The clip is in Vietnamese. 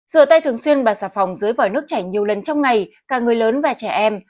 rửa tay thường xuyên và xà phòng dưới vòi nước chảy nhiều lần trong ngày cả người lớn và trẻ em